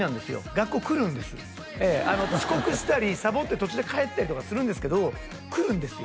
学校来るんです遅刻したりサボって途中で帰ったりとかはするんですけど来るんですよ